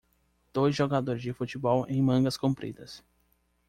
dois jogadores de futebol em mangas compridas